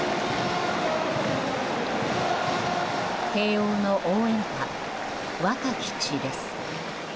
慶応の応援歌「若き血」です。